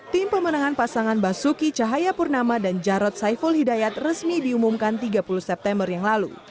tim pemenangan pasangan basuki cahayapurnama dan jarod saiful hidayat resmi diumumkan tiga puluh september yang lalu